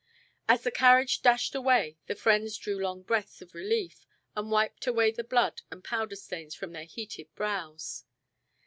As the carriage dashed away the friends drew long breaths of relief and wiped away the blood and powder stains from their heated brows.